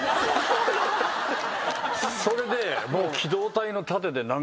それで。